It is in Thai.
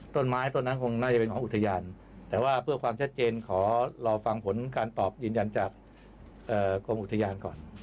ต้นไม้ต้นนั้นคงน่าจะเป็นของอุทยานแต่ว่าเพื่อความชัดเจนขอรอฟังผลการตอบยืนยันจากกรมอุทยานก่อน